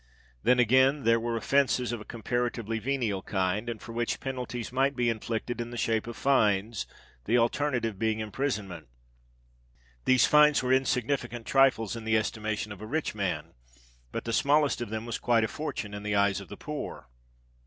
Then, again, there were offences of a comparatively venial kind, and for which penalties might be inflicted in the shape of fines, the alternative being imprisonment. These fines were insignificant trifles in the estimation of a rich man; but the smallest of them was quite a fortune in the eyes of the poor.